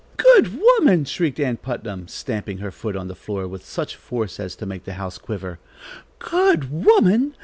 "Good woman!" shrieked Ann Putnam, stamping her foot on the floor with such force as to make the house quiver. "Good woman!